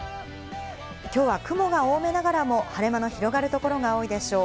今日は雲が多めながらも晴れ間の広がる所が多いでしょう。